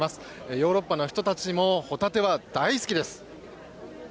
ヨーロッパの人たちもホタテは大好きです。